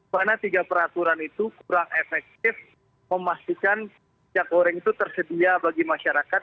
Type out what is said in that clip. karena tiga peraturan itu kurang efektif memastikan cak goreng itu tersedia bagi masyarakat